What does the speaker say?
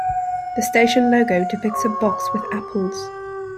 The station logo depicts a box with apples.